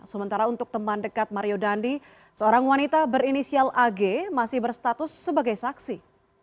sementara untuk teman dekat mario dandi seorang wanita berinisial ag masih berstatus sebagai saksi